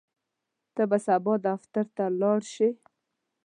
ته به سبا دفتر ته لاړ شې؟